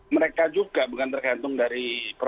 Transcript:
mereka juga bukan tergantung dari